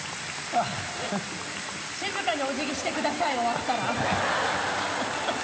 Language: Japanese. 静かにお辞儀してください終わったら。